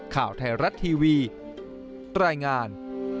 ข่าวไทยรัฐทีวีรายงาน